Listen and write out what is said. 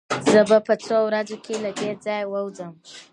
زه به په څو ورځو کې له دې ځايه ووځم.